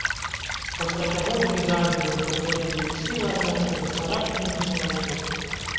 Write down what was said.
Пасля чаго велізарныя рознапляменныя сілы армянскага цара кінуліся наўцёкі.